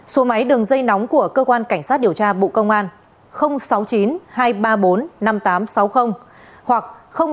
số máy đường dây nóng của cơ quan cảnh sát điều tra bộ công an sáu mươi chín hai trăm ba mươi bốn năm nghìn tám trăm sáu mươi hoặc sáu mươi chín hai trăm ba mươi hai một nghìn sáu trăm bảy